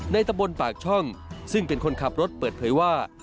ตะบนปากช่องซึ่งเป็นคนขับรถเปิดเผยว่า